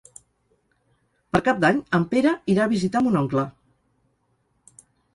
Per Cap d'Any en Pere irà a visitar mon oncle.